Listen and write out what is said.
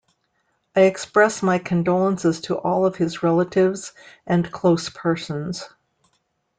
I express my condolences to all of his relatives and close persons.